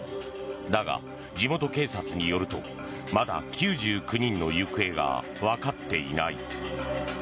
だが、地元警察によるとまだ９９人の行方がわかっていない。